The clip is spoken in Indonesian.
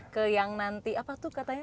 ke yang nanti apa tuh katanya